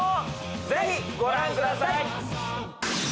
ぜひ、御覧ください。